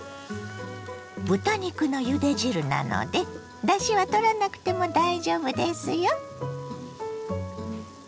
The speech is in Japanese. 豚肉のゆで汁なのでだしはとらなくても大丈夫ですよ。